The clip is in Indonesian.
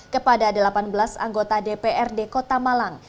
kepada delapan belas anggota dprd kota malang